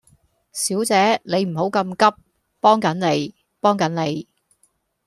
小姐你唔好咁急，幫緊你，幫緊你